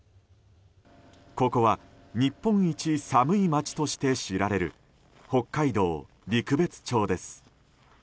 ここは日本一寒い町として知られる北海道陸別町です。